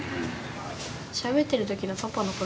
しゃべってる時のパパの顔